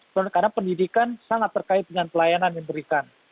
karena pendidikan sangat terkait dengan pelayanan yang diberikan